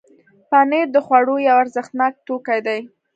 پنېر د خوړو یو ارزښتناک توکی دی.